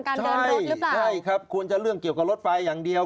การเดินรถรึเปล่าใช่ใช่ครับควรจะเรื่องเกี่ยวกับรถไฟอย่างเดียว